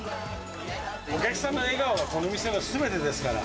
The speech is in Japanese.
お客さんの笑顔がこの店のすべてですから。